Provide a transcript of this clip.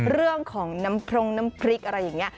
เรื่องของน้ำพรงน้ำพริกอะไรอย่างนี้